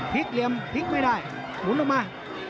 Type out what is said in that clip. พีคเหลี่ยมพีคไม่ได้หมุนลงมา